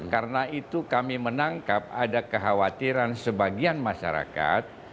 karena itu kami menangkap ada kekhawatiran sebagian masyarakat